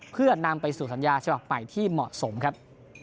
เพื่อนำไปสู่สัญญาใช่ปะไปที่เหมาะสมครับ